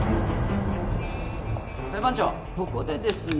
裁判長ここでですね